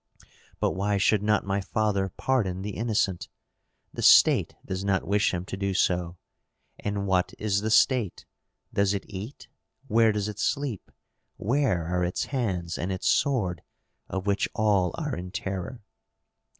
But why should not my father pardon the innocent? The state does not wish him to do so. And what is the state? Does it eat? where does it sleep? where are its hands and its sword, of which all are in terror?"